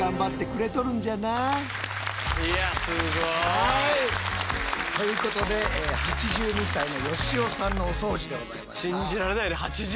はいということで８２歳の良雄さんのお掃除でございました。